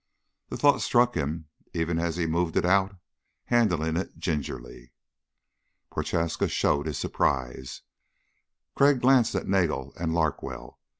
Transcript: The thought struck him even as he moved it out, handling it gingerly. Prochaska showed his surprise. Crag glanced at Nagel and Larkwell.